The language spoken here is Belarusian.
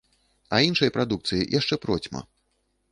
А іншай прадукцыі яшчэ процьма.